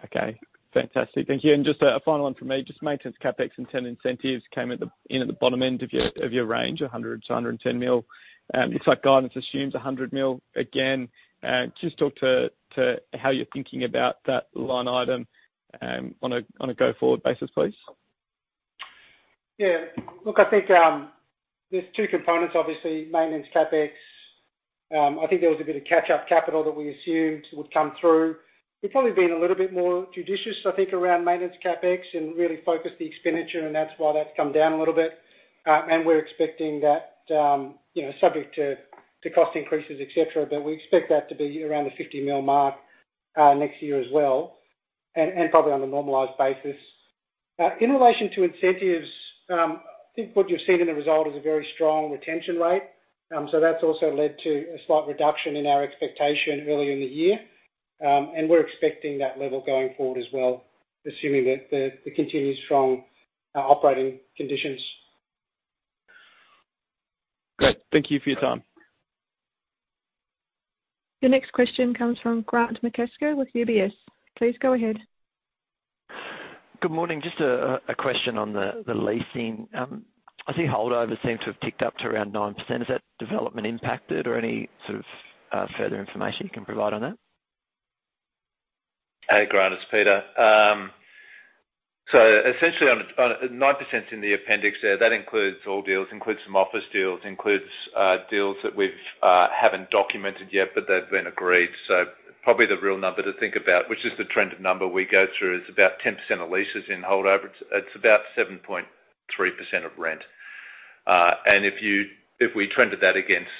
Okay. Fantastic. Thank you. Just a final one from me, just maintenance CapEx and tenant incentives came in at the bottom end of your range, 100 million-110 million. Looks like guidance assumes 100 million again. Just talk to how you're thinking about that line item, on a go-forward basis, please. Yeah. Look, I think, there's two components. Obviously, maintenance CapEx, I think there was a bit of catch-up capital that we assumed would come through. We've probably been a little bit more judicious, I think, around maintenance CapEx and really focused the expenditure, and that's why that's come down a little bit. And we're expecting that subject to cost increases, et cetera, but we expect that to be around the 50 million mark, next year as well and probably on a normalized basis. In relation to incentives, I think what you're seeing in the result is a very strong retention rate. So that's also led to a slight reduction in our expectation early in the year. And we're expecting that level going forward as well, assuming that the continued strong operating conditions. Great. Thank you for your time. The next question comes from Grant Kelley with UBS. Please go ahead. Good morning. Just a question on the leasing. I see holdovers seem to have ticked up to around 9%. Is that development impacted or any sort of further information you can provide on that? Hey, Grant. It's Peter. Essentially on a 9% in the appendix there. That includes all deals, includes some office deals, includes deals that we haven't documented yet, but they've been agreed. Probably the real number to think about, which is the trended number we go through, is about 10% of leases in holdover. It's about 7.3% of rent. And if we trended that against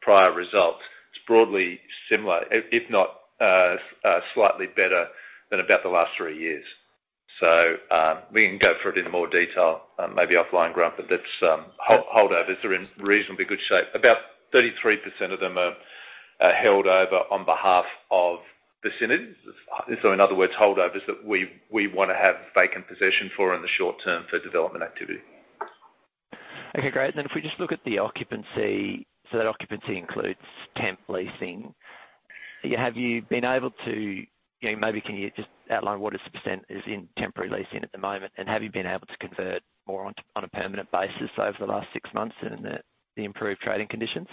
prior results, it's broadly similar, if not slightly better than about the last three years. We can go through it in more detail, maybe offline, Grant, but that's holdovers. They're in reasonably good shape. About 33% of them are held over on behalf of the tenants. In other words, holdovers that we wanna have vacant possession for in the short term for development activity. Okay. Great. If we just look at the occupancy, so that occupancy includes temp leasing. You know, maybe can you just outline what is the percent is in temporary leasing at the moment, and have you been able to convert more on a permanent basis over the last six months in the improved trading conditions?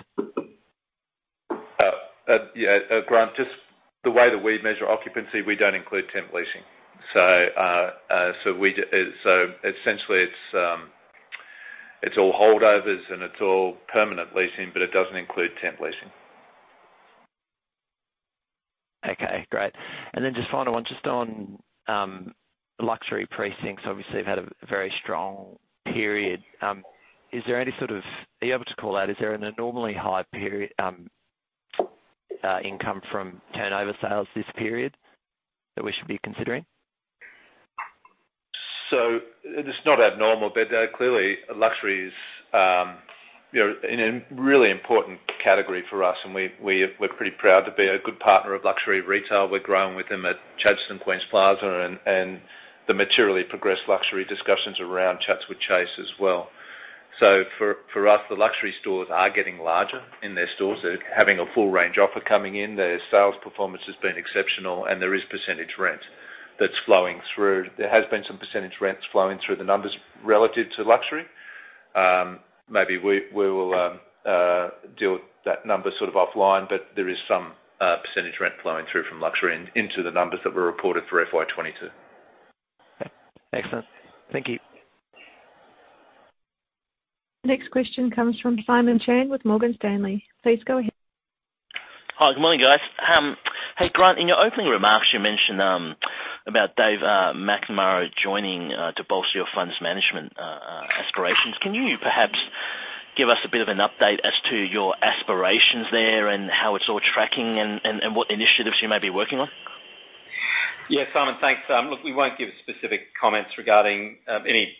Yeah, Grant, just the way that we measure occupancy, we don't include temp leasing. Essentially it's all holdovers and it's all permanent leasing, but it doesn't include temp leasing. Okay, great. Then just final one, just on luxury precincts, obviously you've had a very strong period. Is there any sort of? Are you able to call out, is there an abnormally high period, income from turnover sales this period that we should be considering? It's not abnormal, but clearly luxury is a really important category for us and we're pretty proud to be a good partner of luxury retail. We're growing with them at Chatswood and Queens Plaza and the materially progressed luxury discussions around Chatswood Chase as well. For us, the luxury stores are getting larger in their stores. They're having a full range offer coming in. Their sales performance has been exceptional and there is percentage rent that's flowing through. There has been some percentage rents flowing through the numbers relative to luxury. Maybe we will deal with that number sort of offline, but there is some percentage rent flowing through from luxury into the numbers that were reported for FY 2022. Excellent. Thank you. Next question comes from Simon Chan with Morgan Stanley. Please go ahead. Hi, good morning, guys. Hey, Grant, in your opening remarks, you mentioned about David McNamara joining to bolster your funds management aspirations. Can you perhaps give us a bit of an update as to your aspirations there and how it's all tracking and what initiatives you may be working on? Yeah. Simon, thanks. Look, we won't give specific comments regarding any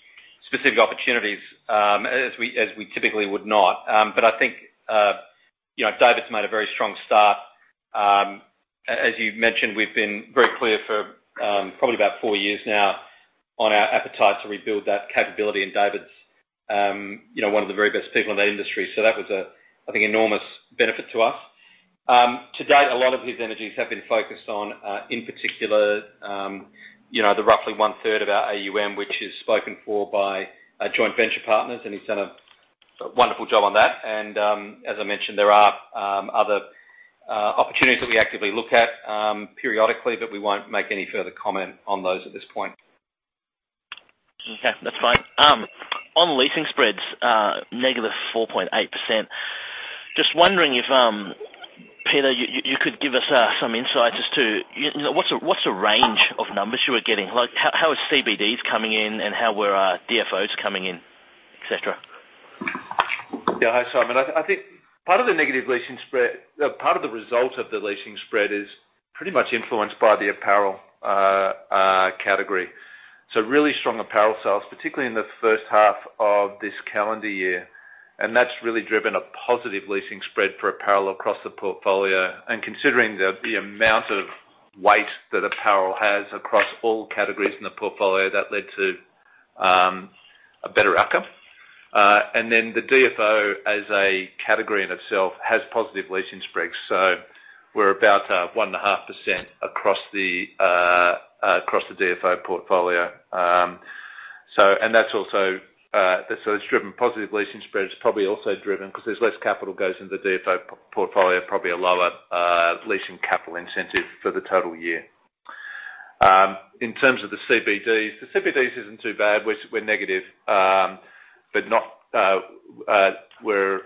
specific opportunities, as we typically would not. I think David's made a very strong start. As you've mentioned, we've been very clear for probably about four years now on our appetite to rebuild that capability, and david's one of the very best people in that industry. That was, I think, an enormous benefit to us. To date, a lot of his energies have been focused on, in particular the roughly one-third of our AUM, which is spoken for by our joint venture partners, and he's done a wonderful job on that. As I mentioned, there are other opportunities that we actively look at periodically, but we won't make any further comment on those at this point. Okay, that's fine. On leasing spreads, negative 4.8%, just wondering if, Peter, you could give us some insight as to what's a range of numbers you were getting? Like, how are CBDs coming in and how were DFOs coming in, et cetera? Yeah. Hi, Simon. I think part of the negative leasing spread. Part of the result of the leasing spread is pretty much influenced by the apparel category. Really strong apparel sales, particularly in the H 1 of this calendar year, and that's really driven a positive leasing spread for apparel across the portfolio. Considering the amount of weight that apparel has across all categories in the portfolio, that led to a better outcome. The DFO, as a category in itself, has positive leasing spreads. We're about 1.5% across the DFO portfolio. That's also driven positive leasing spreads. It's probably also driven, 'cause there's less capital goes into the DFO portfolio, probably a lower leasing capital incentive for the total year. In terms of the CBDs, the CBDs isn't too bad. We're negative. We're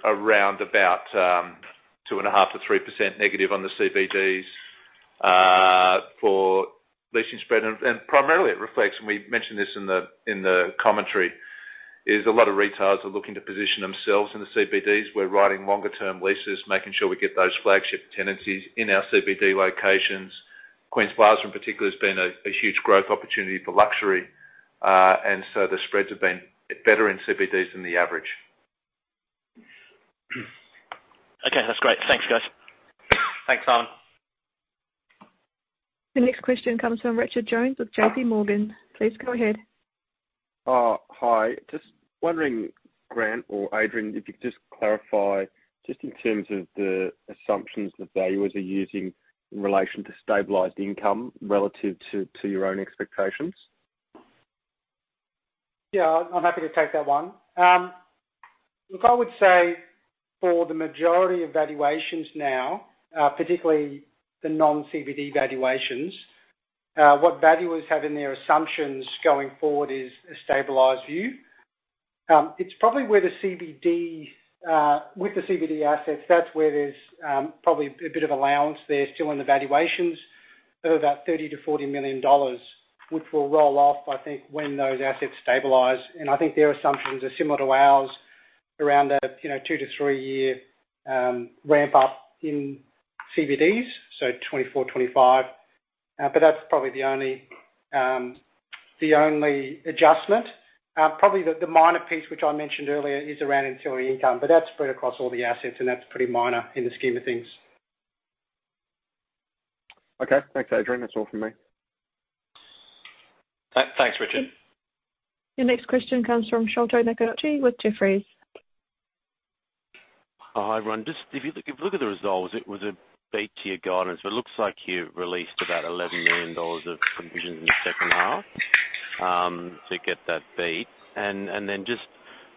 around about 2.5%-3% negative on the CBDs for leasing spread. Primarily it reflects, and we mentioned this in the commentary, is a lot of retailers are looking to position themselves in the CBDs. We're writing longer-term leases, making sure we get those flagship tenancies in our CBD locations. Queens Plaza in particular has been a huge growth opportunity for luxury. The spreads have been better in CBDs than the average. Okay, that's great. Thanks, guys. Thanks, Simon. The next question comes from Richard Jones with J.P. Morgan. Please go ahead. Hi. Just wondering, Grant or Adrian, if you could just clarify just in terms of the assumptions the valuers are using in relation to stabilized income relative to your own expectations. Yeah, I'm happy to take that one. Look, I would say for the majority of valuations now, particularly the non-CBD valuations, what valuers have in their assumptions going forward is a stabilized view. With the CBD assets, that's where there's probably a bit of allowance there still in the valuations of about 30 million-40 million dollars, which will roll off, I think, when those assets stabilize. I think their assumptions are similar to ours around a you know two-three year ramp up in CBDs, so 2024, 2025. But that's probably the only adjustment. Probably the minor piece which I mentioned earlier is around ancillary income, but that's spread across all the assets, and that's pretty minor in the scheme of things. Okay. Thanks, Adrian. That's all from me. Thanks, Richard. Your next question comes from Sholto Maconochie with Jefferies. Oh, hi, Grant. Just if you look at the results, it was a beat to your guidance. It looks like you released about 11 million dollars of provisions in the H2 to get that beat. Then just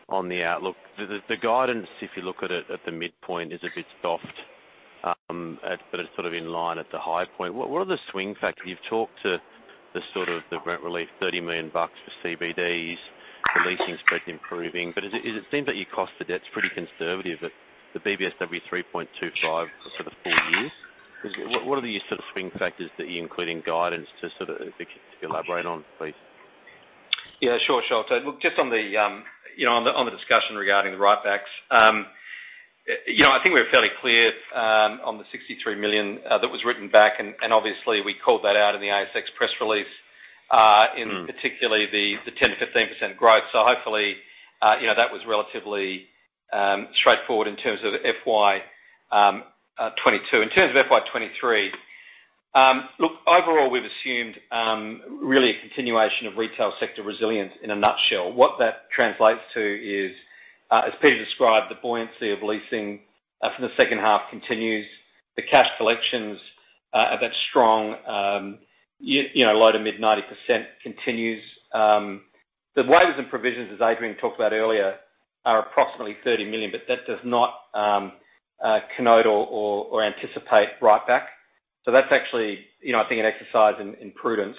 on the outlook, the guidance, if you look at it at the midpoint, is a bit soft, but it's sort of in line at the high point. What are the swing factors? You've talked to the sort of the rent relief, 30 million bucks for CBDs, the leasing spread improving. Is it. It seems like your cost to debt's pretty conservative at the BBSW 3.25 for the full years. What are the sort of swing factors that you include in guidance to sort of. If you could elaborate on, please? Yeah, sure, Sholto. Look, just on the discussion regarding the writebacks I think we're fairly clear on the 63 million that was written back, and obviously we called that out in the ASX press release. Mm. in particular the 10%-15% growth. hopefully that was relatively straightforward in terms of FY 2022. In terms of FY 2023, look, overall we've assumed really a continuation of retail sector resilience in a nutshell. What that translates to is, as Peter described, the buoyancy of leasing from the H2 continues. The cash collections are that strong low- to mid-90% continues. The waivers and provisions, as Adrian talked about earlier, are approximately 30 million, but that does not connote or anticipate rebate. That's actually I think an exercise in prudence.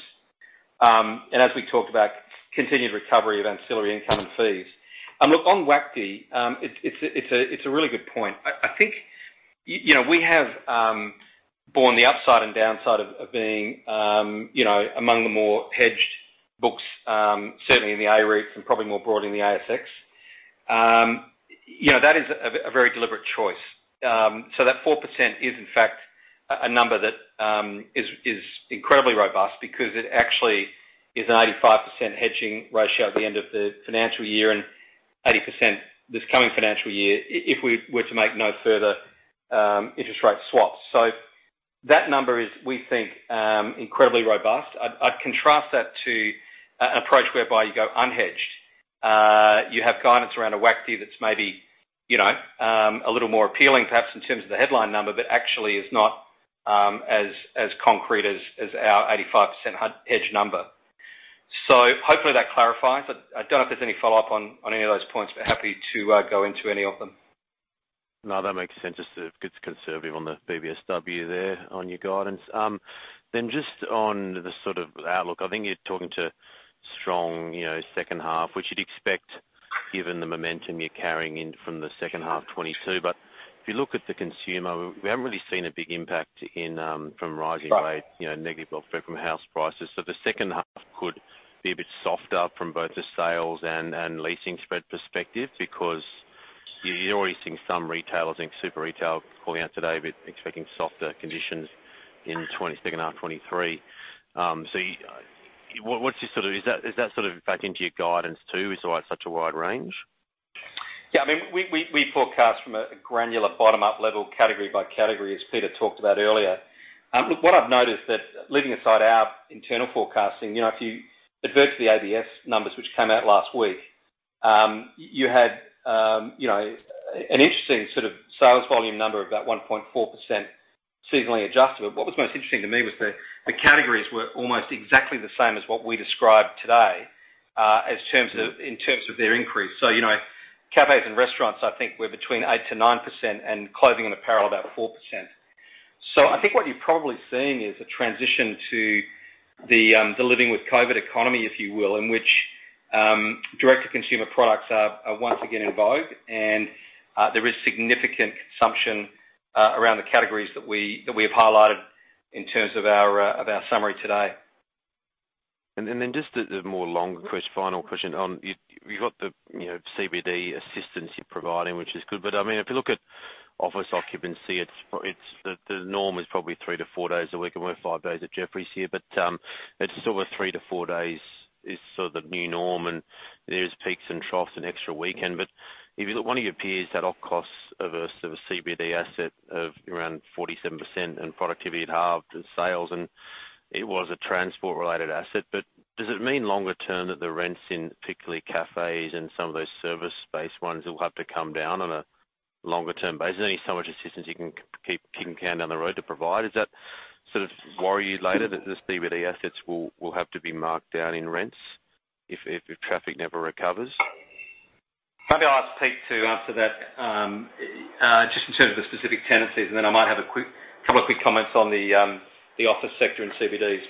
As we talked about continued recovery of ancillary income and fees. Look on WACD, it's a really good point. I think we have borne the upside and downside of being among the more hedged books, certainly in the AREIT and probably more broad in the ASX. You know, that is a very deliberate choice. That 4% is in fact a number that is incredibly robust because it actually is 95% hedging ratio at the end of the financial year and 80% this coming financial year if we were to make no further interest rate swaps. That number is, we think, incredibly robust. I'd contrast that to an approach whereby you go unhedged. You have guidance around a WACD that's maybe a little more appealing perhaps in terms of the headline number, but actually is not as concrete as our 85% hedged number. Hopefully that clarifies. I don't know if there's any follow-up on any of those points, but happy to go into any of them. No, that makes sense. Just sort of gets conservative on the BBSW there on your guidance. Then just on the sort of outlook, I think you're talking to strong H2, which you'd expect given the momentum you're carrying in from the H2 2022. If you look at the consumer, we haven't really seen a big impact from rising rates. Right. You know, negative effect straight from house prices. The H2 could be a bit softer from both the sales and leasing spread perspective because you're already seeing some retailers, I think Super Retail Group calling out today, expecting softer conditions in the H2 2023. Is that sort of baked into your guidance too? Why such a wide range? Yeah. I mean, we forecast from a granular bottom up level category by category, as Peter talked about earlier. Look, what I've noticed that leaving aside our internal forecasting if you advert to the ABS numbers which came out last week, you had an interesting sort of sales volume number of that 1.4% seasonally adjusted. What was most interesting to me was the categories were almost exactly the same as what we described today, in terms of their increase. You know, cafes and restaurants, I think we're between 8%-9%, and clothing and apparel about 4%. I think what you're probably seeing is a transition to the living with COVID economy, if you will, in which direct-to-consumer products are once again in vogue. There is significant consumption around the categories that we have highlighted in terms of our summary today. You got the CBD assistance you're providing, which is good. I mean, if you look at office occupancy, it's the norm is probably three to four days a week, and we're five days at Jefferies here. It's sort of three to four days is sort of the new norm, and there's peaks and troughs and an extra weekend. If you look, one of your peers had op costs of a CBD asset of around 47% and productivity had halved and sales, and it was a transport-related asset. Does it mean longer term that the rents in particularly cafes and some of those service-based ones will have to come down on a longer-term basis? There's only so much assistance you can keep kicking the can down the road to provide. Does that sort of worry you later that the CBD assets will have to be marked down in rents if traffic never recovers? Maybe I'll ask Pete to answer that, just in terms of the specific tenancies, and then I might have a quick, couple of quick comments on the office sector and CBDs.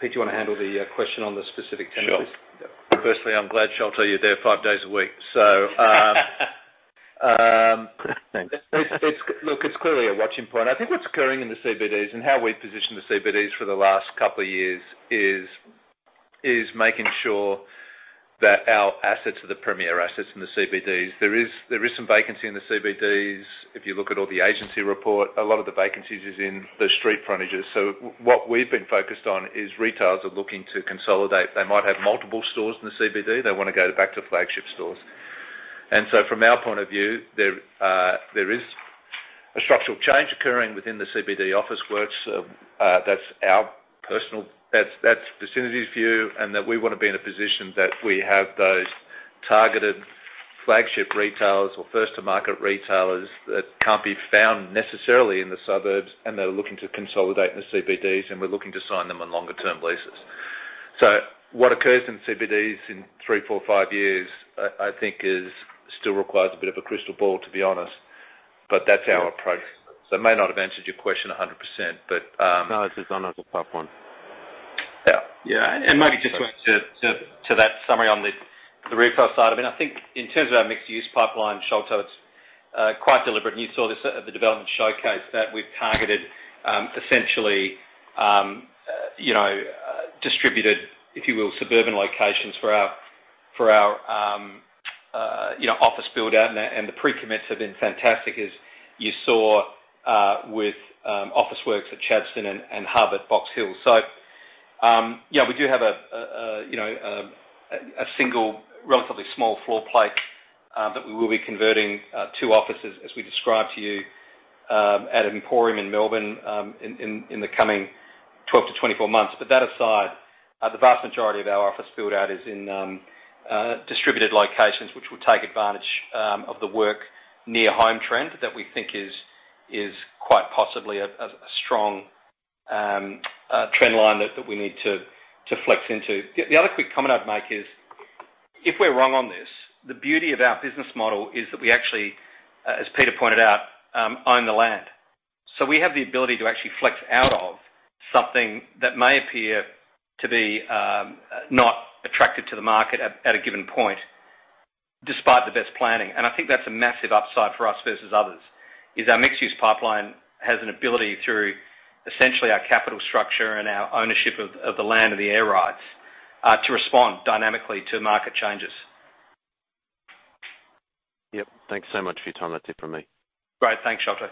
Pete, do you wanna handle the question on the specific tenancies? Sure. Yeah. Firstly, I'm glad Sholto, you're there five days a week. Thanks. It's clearly a watching point. I think what's occurring in the CBDs and how we've positioned the CBDs for the last couple of years is making sure that our assets are the premier assets in the CBDs. There is some vacancy in the CBDs. If you look at all the agency reports, a lot of the vacancies is in the street frontages. What we've been focused on is retailers are looking to consolidate. They might have multiple stores in the CBD. They wanna go back to flagship stores. From our point of view, there is a structural change occurring within the CBD Officeworks. That's our personal That's Vicinity's view, and that we wanna be in a position that we have those targeted flagship retailers or first-to-market retailers that can't be found necessarily in the suburbs, and they're looking to consolidate in the CBDs, and we're looking to sign them on longer-term leases. What occurs in CBDs in three, four, five years, I think is still requires a bit of a crystal ball, to be honest, but that's our approach. It may not have answered your question 100%, but No, it's another tough one. Yeah. Yeah. Maybe just to that summary on the retail side. I mean, I think in terms of our mixed-use pipeline, Sholto, it's quite deliberate. You saw this at the development showcase that we've targeted essentially you know distributed, if you will, suburban locations for our office build out. The pre-commits have been fantastic as you saw with Officeworks at Chadstone and Hub at Box Hill. So yeah, we do have a single relatively small floor plate that we will be converting to offices as we described to you at Emporium in Melbourne in the coming 12-24 months. That aside, the vast majority of our office build out is in distributed locations, which will take advantage of the work near home trend that we think is quite possibly a strong A trend line that we need to flex into. The other quick comment I'd make is if we're wrong on this, the beauty of our business model is that we actually, as Peter pointed out, own the land. So we have the ability to actually flex out of something that may appear to be not attractive to the market at a given point despite the best planning. I think that's a massive upside for us versus others, is our mixed-use pipeline has an ability through essentially our capital structure and our ownership of the land and the air rights to respond dynamically to market changes. Yep. Thanks so much for your time. That's it from me. Great. Thanks, Sholto.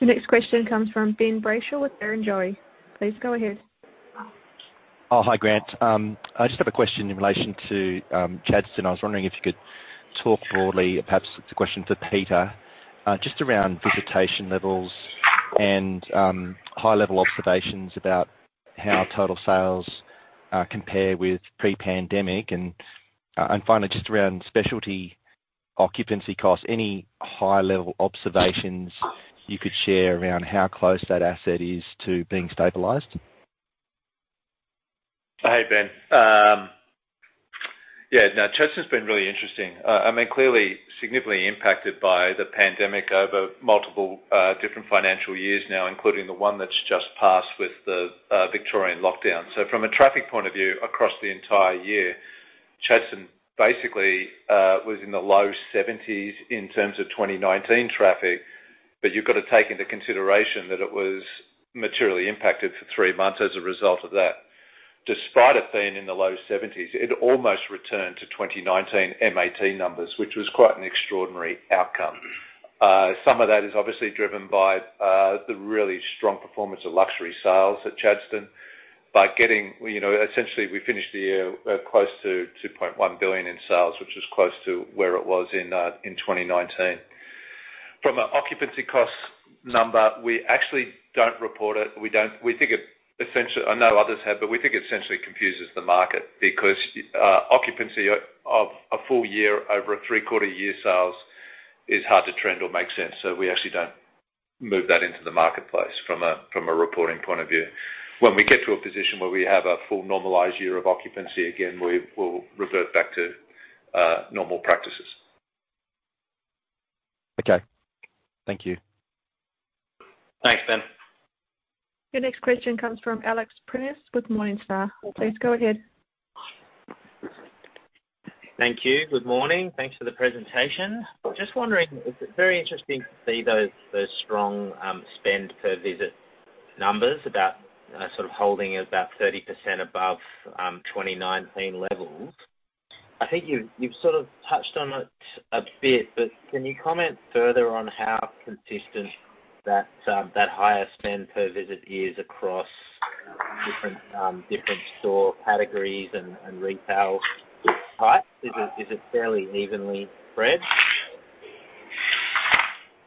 The next question comes from Ben Braysh with Barrenjoey. Please go ahead. Oh, hi, Grant. I just have a question in relation to Chadstone. I was wondering if you could talk broadly, perhaps it's a question for Peter, just around visitation levels and high-level observations about how total sales compare with pre-pandemic. Finally, just around specialty occupancy costs, any high-level observations you could share around how close that asset is to being stabilized? Hey, Ben. Yeah. Now, Chadstone has been really interesting. I mean, clearly significantly impacted by the pandemic over multiple different financial years now, including the one that's just passed with the Victorian lockdown. From a traffic point of view across the entire year, Chadstone basically was in the low 70s in terms of 2019 traffic, but you've got to take into consideration that it was materially impacted for 3 months as a result of that. Despite it being in the low 70s, it almost returned to 2019 MAT numbers, which was quite an extraordinary outcome. Some of that is obviously driven by the really strong performance of luxury sales at Chadstone by getting essentially we finished the year close to 2.1 billion in sales, which is close to where it was in 2019. From an occupancy cost number, we actually don't report it. We don't. We think it essentially confuses the market because occupancy of a full year over a three-quarter year sales is hard to trend or make sense. We actually don't move that into the marketplace from a reporting point of view. When we get to a position where we have a full normalized year of occupancy, again, we'll revert back to normal practices. Okay. Thank you. Thanks, Ben. Your next question comes from Alex Prineas with Morningstar. Please go ahead. Thank you. Good morning. Thanks for the presentation. Just wondering, it's very interesting to see those strong spend per visit numbers about sort of holding about 30% above 2019 levels. I think you've sort of touched on it a bit, but can you comment further on how consistent that higher spend per visit is across different store categories and retail types? Is it fairly evenly spread?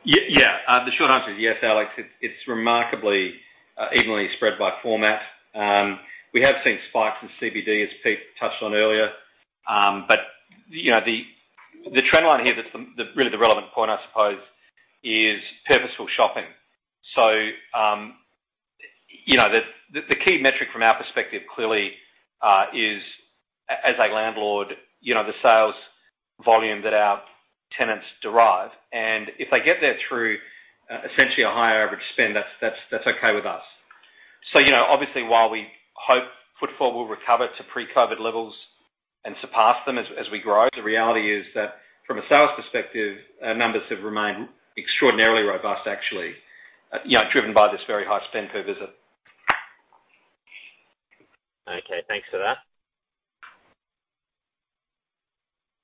Yeah. The short answer is yes, Alex. It's remarkably evenly spread by format. We have seen spikes in CBD, as Pete touched on earlier. You know, the trend line here that's the really relevant point, I suppose, is purposeful shopping. You know, the key metric from our perspective clearly is as a landlord the sales volume that our tenants derive. If they get there through essentially a higher average spend, that's okay with us. You know, obviously while we hope footfall will recover to pre-COVID levels and surpass them as we grow, the reality is that from a sales perspective, our numbers have remained extraordinarily robust, actually driven by this very high spend per visit. Okay. Thanks for that.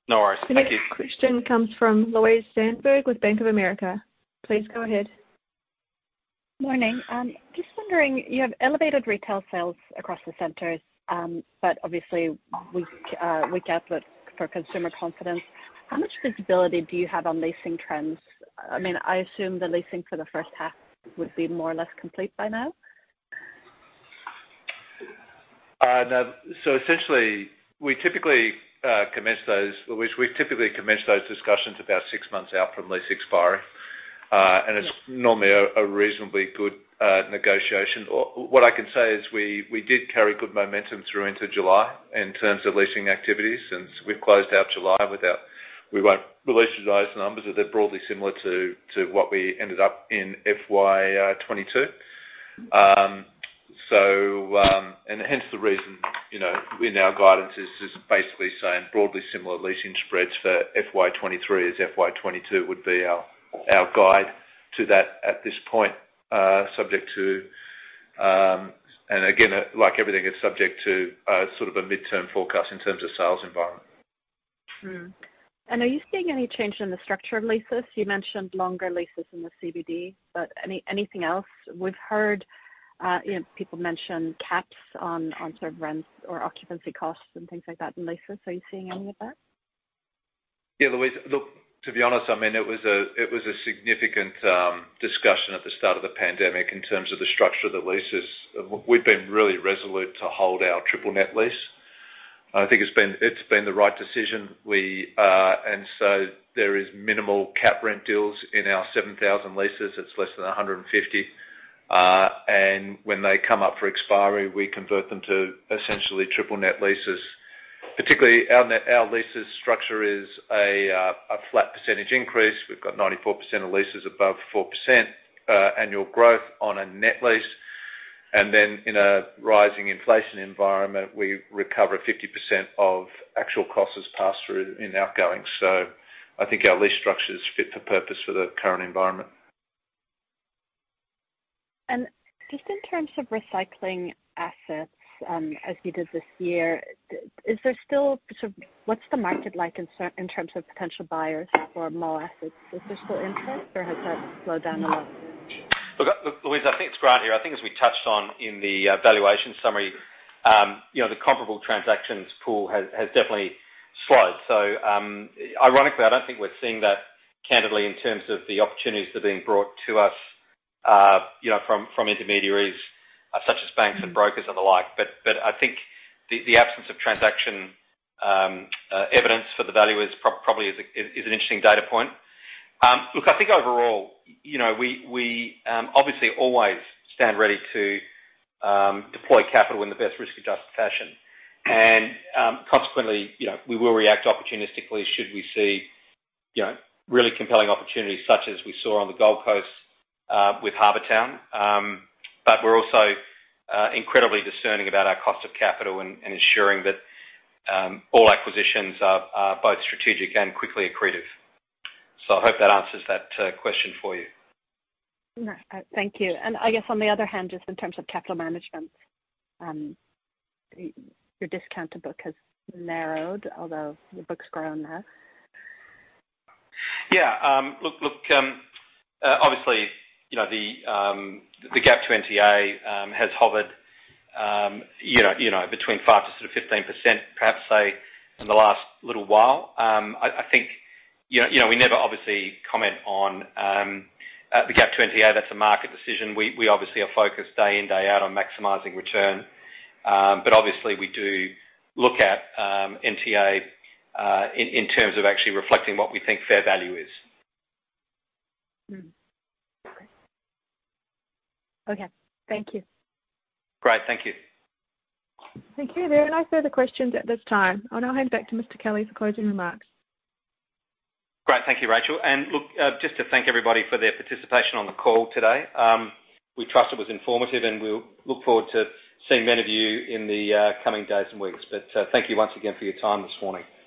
No worries. Thank you. The next question comes from Louise Sandberg with Bank of America. Please go ahead. Morning. Just wondering, you have elevated retail sales across the centers, but obviously weak output for consumer confidence. How much visibility do you have on leasing trends? I mean, I assume the leasing for the H 1 would be more or less complete by now. No. Essentially we typically commence those discussions about six months out from lease expiry, and it's normally a reasonably good negotiation. What I can say is we did carry good momentum through into July in terms of leasing activities. We've closed out July. We won't release today's numbers, but they're broadly similar to what we ended up in FY 2022. Hence the reason in our guidance is basically saying broadly similar leasing spreads for FY 2023 as FY 2022 would be our guide to that at this point, subject to. Again, like everything, it's subject to sort of a midterm forecast in terms of sales environment. Are you seeing any change in the structure of leases? You mentioned longer leases in the CBD, but anything else? We've heard people mention caps on sort of rents or occupancy costs and things like that in leases. Are you seeing any of that? Yeah. Louise, look, to be honest, I mean, it was a significant discussion at the start of the pandemic in terms of the structure of the leases. We've been really resolute to hold our triple net lease. I think it's been the right decision. There is minimal capped rent deals in our 7,000 leases. It's less than 150. When they come up for expiry, we convert them to essentially triple net leases. Particularly our lease structure is a flat percentage increase. We've got 94% of leases above 4% annual growth on a net lease. In a rising inflation environment, we recover 50% of actual costs as passed through in outgoings. I think our lease structure is fit for purpose for the current environment. Just in terms of recycling assets, as you did this year, what's the market like in terms of potential buyers for more assets? Is there still interest or has that slowed down a lot? Look, Louise, I think it's Grant Kelley here. I think as we touched on in the valuation summary the comparable transactions pool has definitely slowed. Ironically, I don't think we're seeing that candidly in terms of the opportunities that are being brought to us from intermediaries such as banks and brokers and the like. But I think the absence of transaction evidence for the value is probably an interesting data point. Look, I think overall we obviously always stand ready to deploy capital in the best risk-adjusted fashion. consequently we will react opportunistically should we see really compelling opportunities such as we saw on the Gold Coast with Harbour Town. We're also incredibly discerning about our cost of capital and ensuring that all acquisitions are both strategic and quickly accretive. I hope that answers that question for you. Thank you. I guess on the other hand, just in terms of capital management, your discount to book has narrowed, although your book's grown now. Yeah. Look, obviously the gap to NTA has hovered between 5% to sort of 15%, perhaps, say, in the last little while. I think we never obviously comment on the gap to NTA. That's a market decision. We obviously are focused day in, day out on maximizing return. Obviously we do look at NTA in terms of actually reflecting what we think fair value is. Okay. Thank you. Great. Thank you. Thank you. There are no further questions at this time. I'll now hand back to Mr. Kelley for closing remarks. Great. Thank you, Rachel. Look, just to thank everybody for their participation on the call today. We trust it was informative, and we'll look forward to seeing many of you in the coming days and weeks. Thank you once again for your time this morning.